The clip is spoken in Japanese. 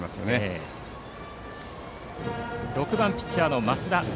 バッターは６番ピッチャー、増田。